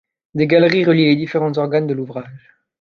Des galeries relient les différents organes de l'ouvrage.